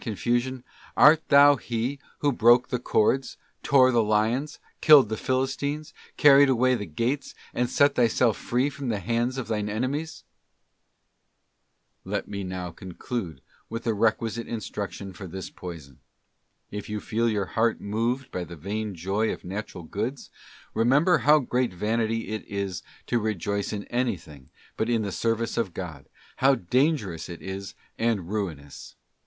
| confusion, Art thou he who broke the cords, tore the lions, ——— killed the Philistines, carried away the gates, and set thyself Fall of the Angels, free from the hands of thine enemies ? Let me now conclude with the requisite instruction for this poison. If you feel your heart moved by the vain joy of Natural Goods, remember how great vanity it is to rejoice in anything but in the service of God, how dangerous it is and ruinous.